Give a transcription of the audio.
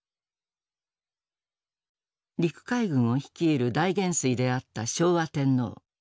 陸海軍を率いる大元帥であった昭和天皇。